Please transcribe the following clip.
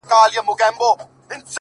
راهب په کليسا کي مردار ښه دی ـ مندر نسته